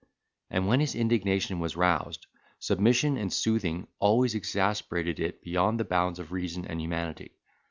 And when his indignation was roused, submission and soothing always exasperated it beyond the bounds of reason and humanity.